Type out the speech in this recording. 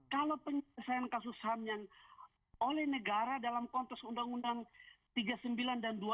kalau penyelesaian kasus ham yang oleh negara dalam kontes undang undang tiga puluh sembilan dan dua puluh dua tahun itu